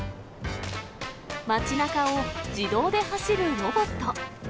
街なかを自動で走るロボット。